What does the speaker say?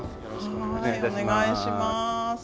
お願いします。